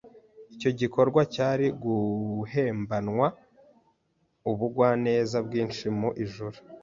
icyo gikorwa cyari guhembanwa ubugwaneza bwinshi mu ijuru